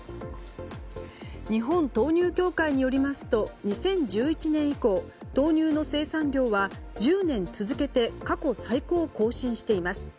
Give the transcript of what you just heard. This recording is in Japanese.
日本豆乳協会によりますと２０１１年以降豆乳の生産量は１０年続けて過去最高を更新しています。